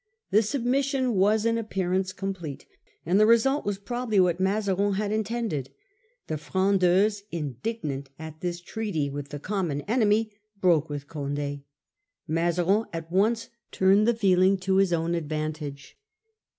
The submission was in appearance complete, and the result was probably what Mazarin had intended. The Frondeurs, indignant at this treaty with the common enemy, broke with Condd. Mazarin at once turned the feeling to his own advantage.